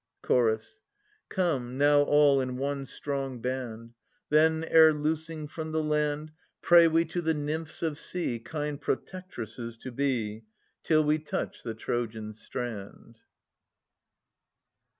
Ch. Come now all in one strong band ; Then, ere loosing from the land, Pray we to the nymphs of sea Kind protectresses to be. Till we touch the Trojan strand.